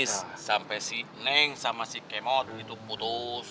sampai si neng sama si kemot itu putus